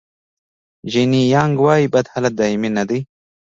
جیني یانګ وایي بد حالت دایمي نه دی.